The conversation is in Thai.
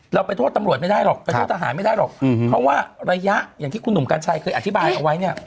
เราไปโทษตำรวจไม่ได้หรอกไปโทษทหารไม่ได้หรอกเพราะว่าระยะอย่างที่คุณหนุ่มกัญชัยเคยอธิบายเอาไว้เนี่ย